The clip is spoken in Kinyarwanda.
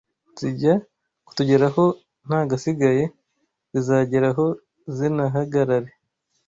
Zijya kutujyeraho ntagasigaye Zizageraho zinahagarare